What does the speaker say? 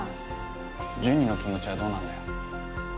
ジュニの気持ちはどうなんだよ。